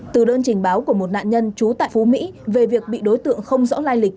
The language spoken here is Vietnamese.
từ đơn trình báo của một nạn nhân trú tại phú mỹ về việc bị đối tượng không rõ lai lịch